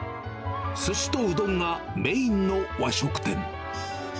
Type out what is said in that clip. すしとうどんがメインの和食店。